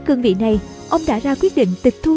cương vị này ông đã ra quyết định tịch thu